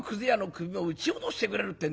首も打ち落としてくれるってんでね